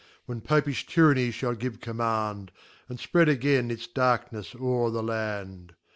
When Popijh Tyranny fhall give command, And fpread again its darknefs o're the Land.